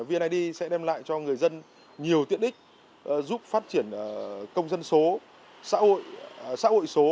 vned sẽ đem lại cho người dân nhiều tiện ích giúp phát triển công dân số xã hội số